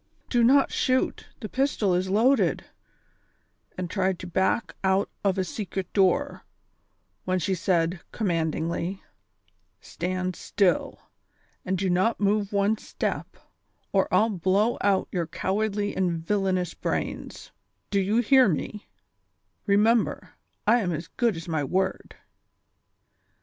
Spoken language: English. do not shoot ; the pistol is loaded," and tried to back out of a secret door, when she said, commandingly :" Stand still, and do not move one step, or 1"11 blow out your cowardly and villanous brains ; do you hear me V Remember, I am as good as my word."